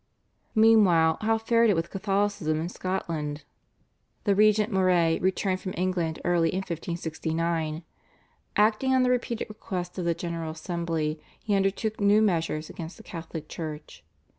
Meanwhile how fared it with Catholicism in Scotland? The Regent Moray returned from England early in 1569. Acting on the repeated requests of the General Assembly he undertook new measures against the Catholic Church.